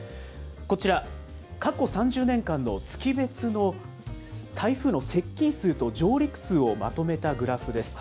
こちら、過去３０年間の月別の台風の接近数と上陸数をまとめたグラフです。